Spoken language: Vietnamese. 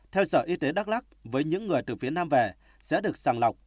theo sở y tế đắk lắc với những người từ phía nam về sẽ được sàng lọc